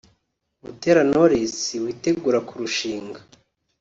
Butera Knowless witegura kurushinga